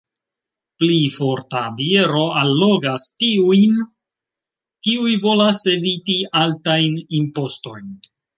Pli forta biero allogas tiujn, kiuj volas eviti altajn impostojn.